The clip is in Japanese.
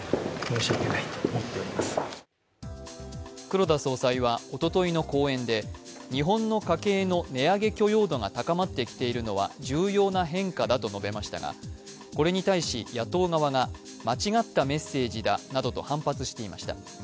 黒田総裁はおとといの講演で日本の家計の値上げ許容度が高まってきているのは重要な変化だと述べましたが、これに対し、野党側が間違ったメッセージなどと反発していました。